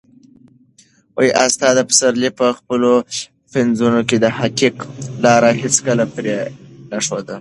استاد پسرلي په خپلو پنځونو کې د حقیقت لاره هیڅکله پرې نه ښوده.